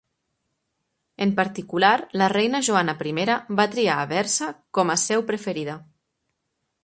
En particular, la reina Joana I va triar Aversa com a seu preferida.